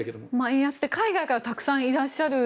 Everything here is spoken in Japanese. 円安で海外からたくさんいらっしゃる。